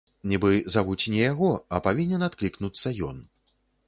Нібы завуць не яго, а павінен адклікнуцца ён.